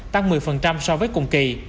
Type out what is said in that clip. tăng một mươi so với cùng kỳ